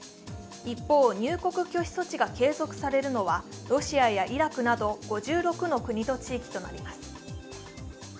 一方、入国拒否措置が継続されるのはロシアやイラクなど５６の国と地域となります。